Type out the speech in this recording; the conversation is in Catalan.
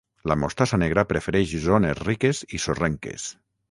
La mostassa negra prefereix zones riques i sorrenques.